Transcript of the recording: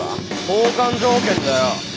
交換条件だよ。